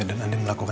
tidak ada apa apa